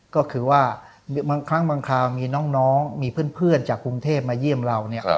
ก็คือว่าบางครั้งมีน้องมีเพื่อนจากกรุงเทพมาเยี่ยมเรา